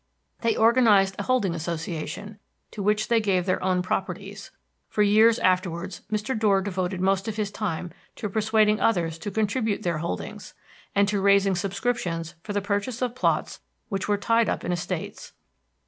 They organized a holding association, to which they gave their own properties; for years afterward Mr. Dorr devoted most of his time to persuading others to contribute their holdings, and to raising subscriptions for the purchase of plots which were tied up in estates.